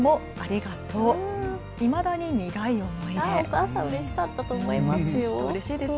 お母さん、うれしかったと思いますよ。